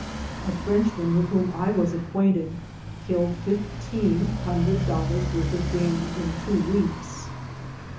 A French 58 THE GOLD HUNTERS man with whom I was acquainted killed fifteen hundred dollars' worth of game in two weeks.